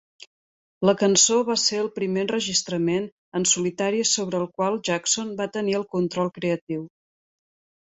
La cançó va ser el primer enregistrament en solitari sobre el qual Jackson va tenir el control creatiu.